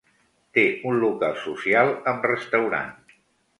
Té un local social amb restaurant.